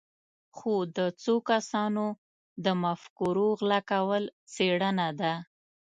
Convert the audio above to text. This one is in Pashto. خو د څو کسانو د مفکورو غلا کول څېړنه ده.